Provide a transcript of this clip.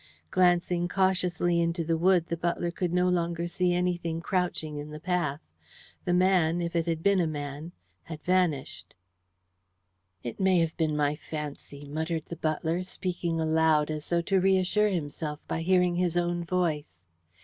Glancing cautiously into the wood, the butler could no longer see anything crouching in the path. The man if it had been a man had vanished. "It may have been my fancy," muttered the butler, speaking aloud as though to reassure himself by hearing his own voice.